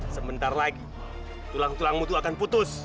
sebentar lagi tulang tulangmu itu akan putus